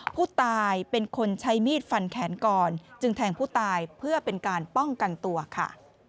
ผู้ตายเป็นคนใช้มีดฟันแขนก่อนจึงแทงผู้ตายเพื่อเป็นการป้องกันตัวค่ะ